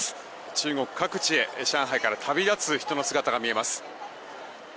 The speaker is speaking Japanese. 中国各地へ上海から旅立つ人の姿が見えます。